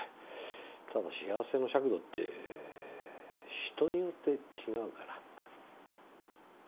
ただ幸せの尺度って人によって違うから。